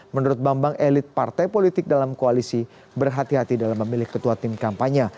menurut bambang elit partai politik dalam koalisi berhati hati dalam memilih ketua tim kampanye